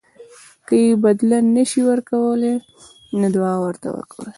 که یې بدله نه شئ ورکولی نو دعا ورته وکړئ.